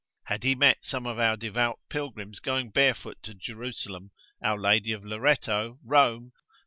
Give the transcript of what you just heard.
Had he met some of our devout pilgrims going barefoot to Jerusalem, our lady of Lauretto, Rome, S.